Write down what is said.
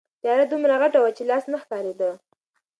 تیاره دومره غټه وه چې لاس نه ښکارېده.